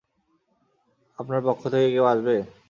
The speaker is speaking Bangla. আপনার পক্ষ থেকে কেউ আসবে?